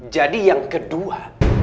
jadi yang kedua